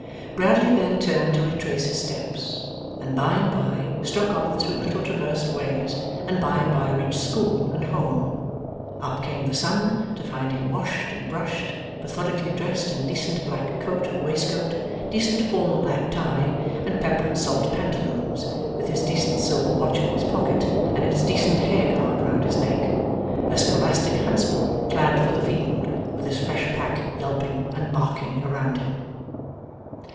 Bradley then turned to retrace his steps, and by and by struck off through little traversed ways, and by and by reached school and home. Up came the sun to find him washed and brushed, methodically dressed in decent black coat and waistcoat, decent formal black tie, and pepper and salt pantaloons, with his decent silver watch in its pocket, and its decent hair guard round his neck: a scholastic huntsman clad for the field, with his fresh pack yelping and barking around him.